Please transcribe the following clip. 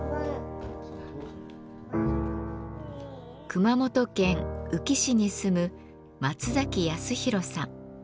熊本県宇城市に住む松泰裕さん。